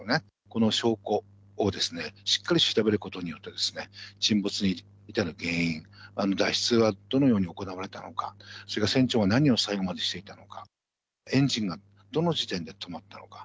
この証拠をしっかり調べることによって、沈没に至る原因、脱出はどのように行われたのか、それから船長は何を最後までしていたのか、エンジンがどの時点で止まったのか。